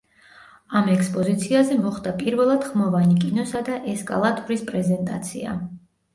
ამ ექსპოზიციაზე მოხდა პირველად ხმოვანი კინოსა და ესკალატორის პრეზენტაცია.